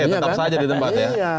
tetap saja di tempat ya